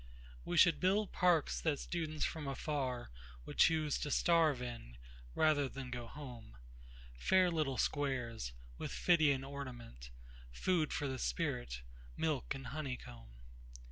We should build parks that students from afarWould choose to starve in, rather than go home—Fair little squares, with Phidian ornament—Food for the spirit, milk and honeycomb.